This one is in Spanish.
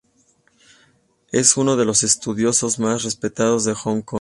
Es uno de los estudiosos más respetados de Hong Kong.